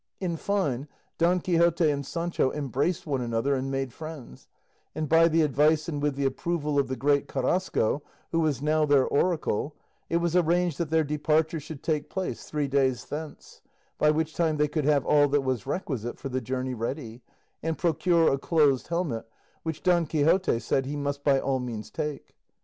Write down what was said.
In fine, Don Quixote and Sancho embraced one another and made friends, and by the advice and with the approval of the great Carrasco, who was now their oracle, it was arranged that their departure should take place three days thence, by which time they could have all that was requisite for the journey ready, and procure a closed helmet, which Don Quixote said he must by all means take.